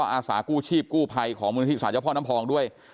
อาสากู้ชีพกู้ภัยของมูลนิธิสารเจ้าพ่อน้ำพองด้วย